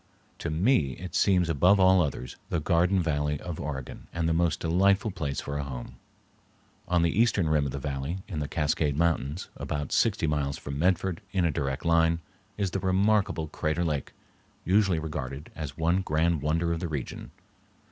To me it seems above all others the garden valley of Oregon and the most delightful place for a home. On the eastern rim of the valley, in the Cascade Mountains, about sixty miles from Medford in a direct line, is the remarkable Crater Lake, usually regarded as the one grand wonder of the region.